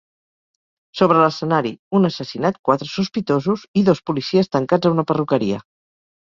Sobre l’escenari: un assassinat, quatre sospitosos i dos policies tancats a una perruqueria.